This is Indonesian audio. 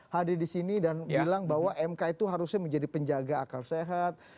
hadir di sini dan bilang bahwa mk itu harusnya menjadi penjaga akal sehat